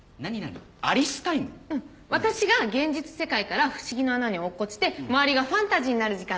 うん私が現実世界から不思議の穴に落っこちて周りがファンタジーになる時間のこと。